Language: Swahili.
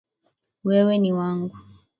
Wewe ni wangu.